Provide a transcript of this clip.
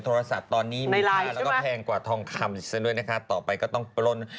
ตอนนี้มีค่าแล้วก็แพงกว่าทองคำเสียด้วยนะคะต่อไปก็ต้องปล้น